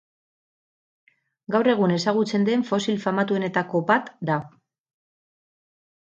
Gaur egun ezagutzen den fosil famatuenetako bat da.